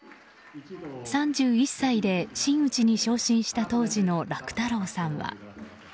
３１歳で、真打ちに昇進した当時の楽太郎さんは。